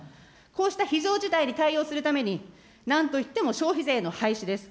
こうした非常事態に対応するために、なんといっても消費税の廃止です。